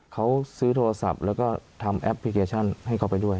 เขาซื้อโทรศัพท์แล้วก็ทำแอปพลิเคชันให้เขาไปด้วย